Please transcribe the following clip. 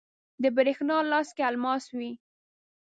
د بریښنا لاس کې الماس وی